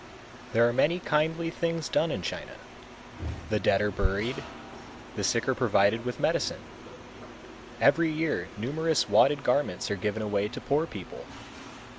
There are many kindly things done in China. The dead are buried, the sick are provided with medicine. Every year numerous wadded garments are given away to poor people.